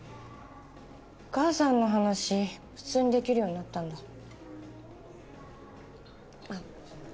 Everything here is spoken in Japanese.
お母さんの話普通にできるようになったんだあっ